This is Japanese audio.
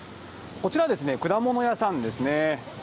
こちらですね、果物屋さんですね。